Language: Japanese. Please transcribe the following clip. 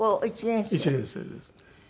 １年生ですね。